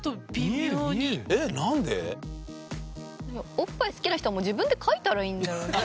おっぱい好きな人はもう自分で描いたらいいんだよ。